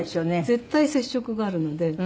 絶対接触があるので。